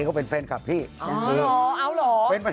เขาเป็นแฟนคลับพี่